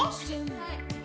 はい！